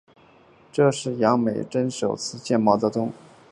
这是杨美真首次见到毛泽东。